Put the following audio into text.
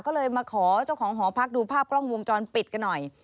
ก็เลยมาขอเจ้าของหอพักดูภาพกล้องวงจรปิดกันหน่อย